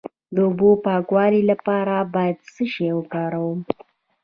د اوبو د پاکوالي لپاره باید څه شی وکاروم؟